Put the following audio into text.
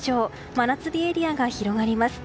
真夏日エリアが広がります。